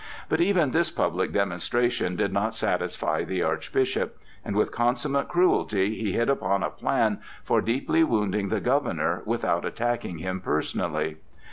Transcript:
But even this public demonstration did not satisfy the Archbishop; and with consummate cruelty he hit upon a plan for deeply wounding the governor without attacking him personally.